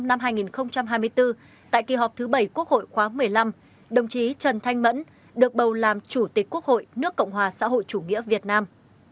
ngày hai mươi tháng năm năm hai nghìn hai mươi bốn tại kỳ họp thứ bảy quốc hội khóa một mươi năm đồng chí trần thanh mẫn được bầu làm chủ tịch quốc hội nước cộng hòa xã hội chủ nghĩa việt nam